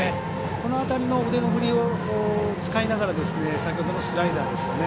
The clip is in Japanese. この辺りの腕の振りを使いながら先ほどのスライダーですよね。